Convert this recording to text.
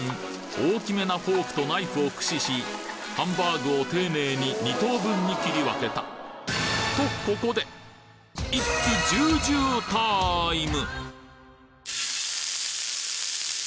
大きめなフォークとナイフを駆使しハンバーグを丁寧に二等分に切り分けたイッツジュージュータイム！